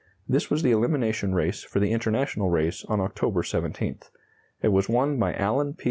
This was the elimination race for the International race on October 17th. It was won by Alan P.